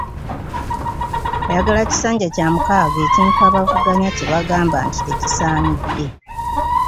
Ayagala ekisanja kya mukaaga, ekintu abamuvuganya kye bagamba nti tekisaanidde.